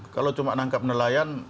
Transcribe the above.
kalau cuma nangkap nelayan